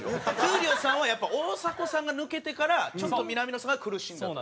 闘莉王さんはやっぱ大迫さんが抜けてからちょっと南野さんが苦しんだと。